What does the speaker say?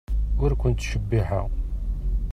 Ur kent-ttcebbiḥeɣ.